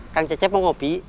kang cecep mau kopi